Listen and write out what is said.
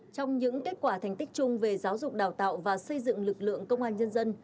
trong những kết quả thành tích chung về giáo dục đào tạo và xây dựng lực lượng công an nhân dân